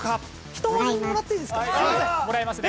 １文字目もらっていいですか？